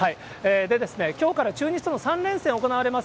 きょうから中日との３連戦、行われます